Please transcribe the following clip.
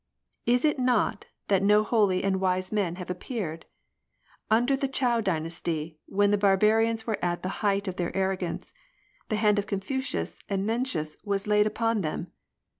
Is it that no holy and wise men have appeared % Under the Chow dynasty, when the barbarians were at the height of their arrogance. The hand of Confucius and Mencius was laid upon them